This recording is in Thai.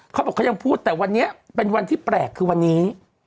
เขาบอกเขายังพูดแต่วันนี้เป็นวันที่แปลกคือวันนี้